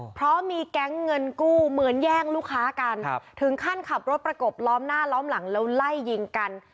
เพราะมีแก๊งเงินกู้เหมือนแย่งลูกค้ากันถึงขั้นขับรถประกบล้อมหน้าล้อมหลังแล้วไล่ยิงกัน